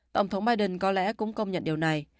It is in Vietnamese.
tổng thống biden có lẽ cũng công nhận điều này